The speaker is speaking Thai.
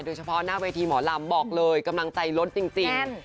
โดยเฉพาะหน้าเวทีหมอลำบอกเลยกำลังใจล้นจริง